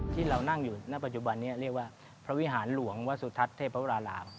ที่เรานั่งอยู่ณปัจจุบันนี้เรียกว่าพระวิหารหลวงวสุทัศน์เทพวราราม